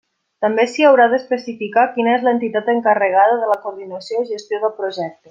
També s'hi haurà d'especificar quina és l'entitat encarregada de la coordinació i gestió del projecte.